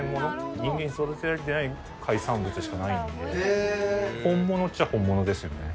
人間に育てられていない海産物しかないので本物っちゃ本物ですよね。